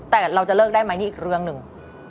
แต่เราจะเลิกได้ไหมนี่อีกเรื่องหนึ่ง